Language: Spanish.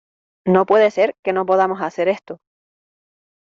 no puede ser que no podamos hacer esto.